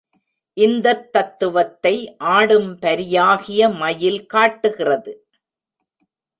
இந்தத் தத்துவத்தை ஆடும் பரியாகிய மயில் காட்டுகிறது.